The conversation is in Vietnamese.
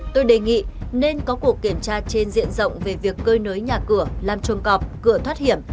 tôi đề nghị nên có cuộc kiểm tra trên diện rộng về việc cơi nới nhà cửa làm chuồng cọp cửa thoát hiểm